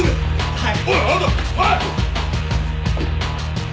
はい。